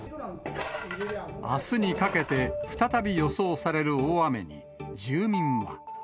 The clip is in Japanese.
あすにかけて再び予想される大雨に、住民は。